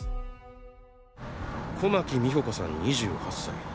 小牧美穂子さん２８歳。